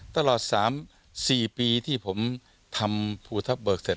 ตลอดสามสี่ปีที่ผมทำภูทัพเบิกเสร็จ